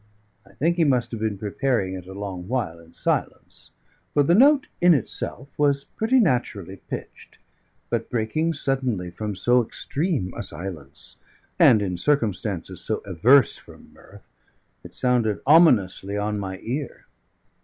I think he must have been preparing it a long while in silence, for the note in itself was pretty naturally pitched; but breaking suddenly from so extreme a silence, and in circumstances so averse from mirth, it sounded ominously on my ear.